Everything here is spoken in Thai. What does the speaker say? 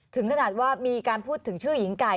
ถึงขนาดว่ามีการพูดถึงชื่อหญิงไก่